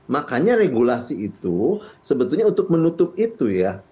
makanya regulasi itu sebetulnya untuk menutup itu ya